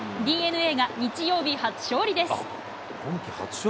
ＤｅＮＡが、日曜日、初勝利です。